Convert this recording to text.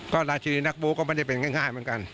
ก็ราชินีนักบูก็ไม่ได้เป็นง่ายเหมือนกัน